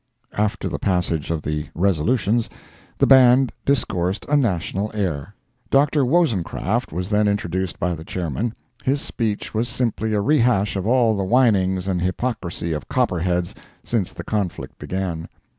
After the passage of the resolutions, the band discoursed a National air. Dr. Wozencraft was then introduced by the chairman. His speech was simply a rehash of all the whinings and hypocrisy of Copperheads since the conflict began.